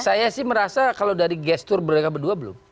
saya sih merasa kalau dari gestur mereka berdua belum